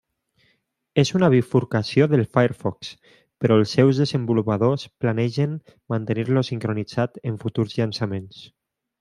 És una bifurcació del Firefox, però els seus desenvolupadors planegen mantenir-lo sincronitzat en futurs llançaments.